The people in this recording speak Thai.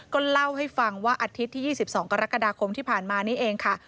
ก็เล่าให้ฟังว่าอาทิตย์ที่๒๒กรกฎาคมที่ผ่านมานี้เองค่ะ